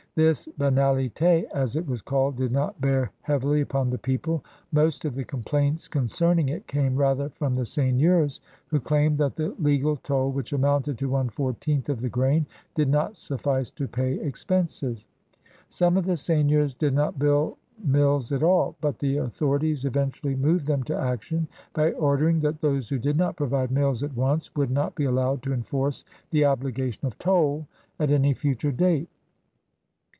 This banalitS, as it was called, did not bear heavily upon the people; most of the complaints concerning it came rather from the seigneurs who claimed that the l^al toll, which amounted to one fourteenth of the grain, did not suffice to pay expenses. Some of the seigneurs did not build mills at all, but the authori ties eventually moved them to action by ordering that those who did not provide mills at once would not be allowed to enforce the obligation of toll at any future date.